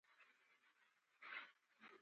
هیلۍ د ګډ ژوند مثال ده